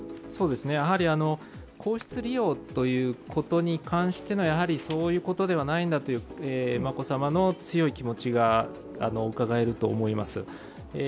皇室利用ということに関して、そういうことではないんだという眞子さまの強い気持ちがうかがえると思います。